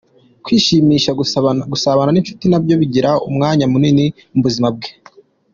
Kwishimisha , gusabana n’inshuti nabyo bigira umwanya munini mu buzima bwe .